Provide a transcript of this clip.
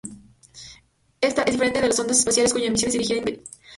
Esta es diferente de las sondas espaciales cuya misión es dirigir investigaciones científicas.